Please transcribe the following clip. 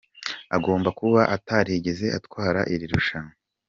Agomba kuba atarigeze atwara iri rushanwa .